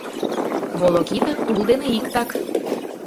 Волокита — тул дене иктак.